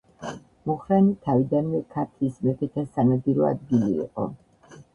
მუხრანი თავიდანვე ქართლის მეფეთა სანადირო ადგილი იყო.